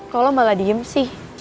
kalau malah diem sih